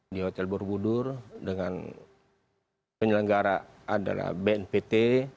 di hotel borobudur dengan penyelenggara adalah bnpt